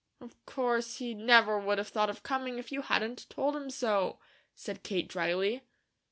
"Of course he never would have thought of coming, if you hadn't told him so," said Kate dryly.